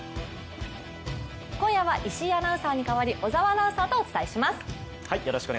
今夜は石井アナウンサーに代わり小沢アナウンサーとお伝えします。